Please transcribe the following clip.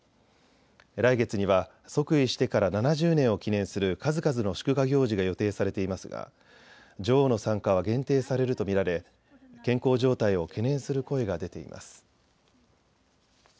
来月には即位してから７０年を記念する数々の祝賀行事が予定されていますが女王の参加は限定されると見られ健康状態を懸念する声が出ています。